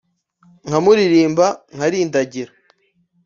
nkamuririmba nkarindagira,